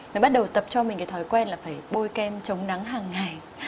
mới bắt đầu tập cho mình cái thói quen là phải bôi kem chống nắng hàng ngày